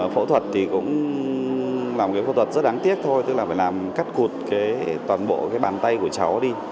phẫu thuật thì cũng là một phẫu thuật rất đáng tiếc thôi tức là phải làm cắt cụt toàn bộ bàn tay của cháu đi